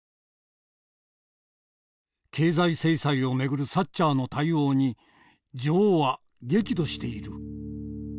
「経済制裁を巡るサッチャーの対応に女王は激怒している」。